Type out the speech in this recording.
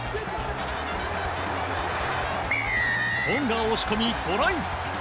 トンガを押し込みトライ。